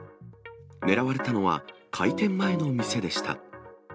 狙われたのは、開店前の店でした。